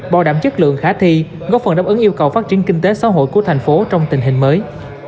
bảo đảm chất lượng khả thi góp phần đáp ứng yêu cầu phát triển kinh tế xã hội của thành phố trong tình hình mới